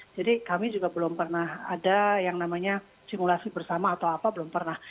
kami juga belum pernah ada yang namanya simulasi bersama atau apa belum pernah